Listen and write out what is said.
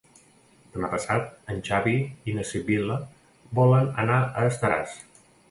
Demà passat en Xavi i na Sibil·la volen anar a Estaràs.